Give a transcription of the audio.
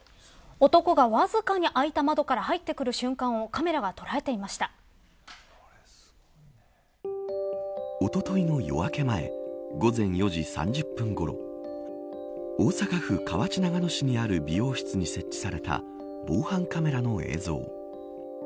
男がわずかに開いた窓から入ってくる瞬間をおとといの夜明け前午前４時３０分ごろ大阪府河内長野市にある美容室に設置された防犯カメラの映像。